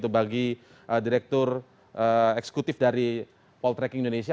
bagi direktur eksekutif dari poltreking indonesia